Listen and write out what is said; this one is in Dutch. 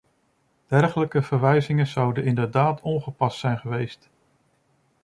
Dergelijke verwijzingen zouden inderdaad ongepast zijn geweest.